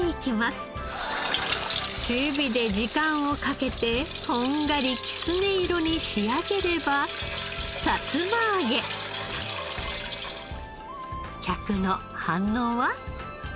中火で時間をかけてこんがりきつね色に仕上げれば客の反応は？